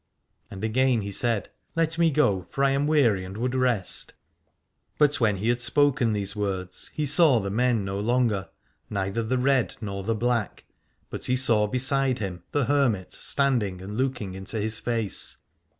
And again he said : Let me go, for I am weary and would rest. But when he had spoken those words he saw the men no longer, neither the red nor the black, but he saw beside him the hermit standing and looking into his face.